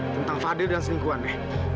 tentang fadil dan seningguan ya